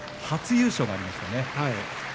初優勝がありましたね。